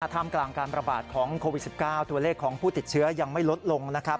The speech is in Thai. ท่ามกลางการประบาดของโควิด๑๙ตัวเลขของผู้ติดเชื้อยังไม่ลดลงนะครับ